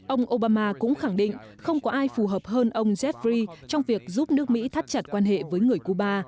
ông obama cũng khẳng định không có ai phù hợp hơn ông zefri trong việc giúp nước mỹ thắt chặt quan hệ với người cuba